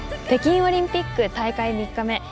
北京オリンピック大会３日目。